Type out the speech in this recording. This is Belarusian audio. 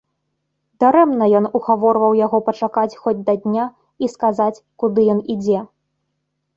Дарэмна ён угаворваў яго пачакаць хоць да дня і сказаць, куды ён ідзе.